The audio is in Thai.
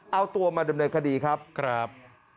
เอาตัวมาดำเนินคดีครับครับ